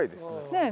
ねえ。